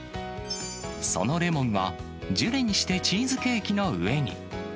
そのレモンは、ジュレにしてチーズケーキの上に。